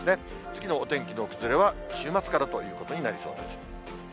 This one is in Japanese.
次のお天気の崩れは週末からということになりそうです。